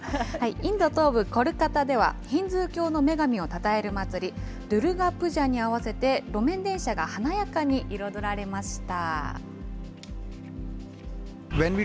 インド東部コルカタでは、ヒンズー教の女神をたたえる祭り、ドゥルガ・プジャに合わせて、路面電車が華やかに彩られました。